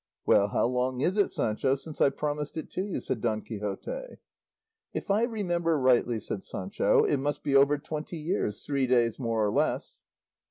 "Well, how long is it, Sancho, since I promised it to you?" said Don Quixote. "If I remember rightly," said Sancho, "it must be over twenty years, three days more or less."